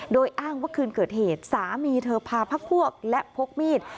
โดยอ้างว่าคืนเกิดเหตุสามีเธอพาพักพวกและพกมีด